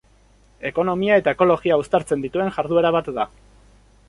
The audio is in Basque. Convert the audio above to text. Ekonomia eta ekologia uztartzen dituen jarduera bat da.